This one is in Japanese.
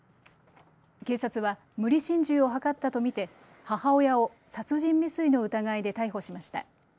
警察は無理心中を図ったと見て母親を殺人未遂の疑いで逮捕しました。